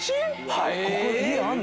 はい。